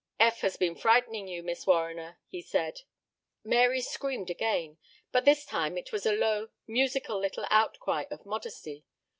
"Eph has been frightening you, Miss Warriner," he said. Mary screamed again, but this time it was a low, musical little outcry of modesty.